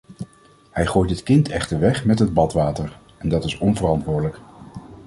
Hij gooit het kind echter weg met het badwater, en dat is onverantwoordelijk.